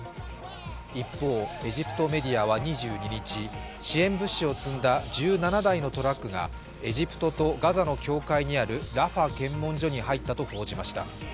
一方、エジプト目では２２日、支援物資を積んだ１７台のトラックがエジプトとガザの境界にあるラファ検問所に入ったと報じました。